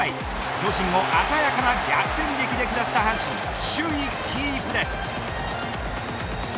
巨人を鮮やかな逆転劇で下した阪神首位キープです。